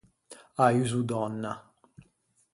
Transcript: À uso dònna.